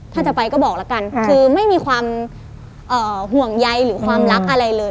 ถ้าจะไปก็บอกแล้วกันคือไม่มีความห่วงใยหรือความรักอะไรเลย